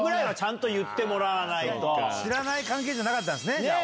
知らない関係じゃなかったんですね。